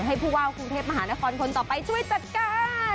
ให้ผู้ว่ากรุงเทพมหานครคนต่อไปช่วยจัดการ